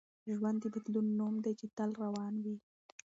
ژوند د بدلون نوم دی چي تل روان وي.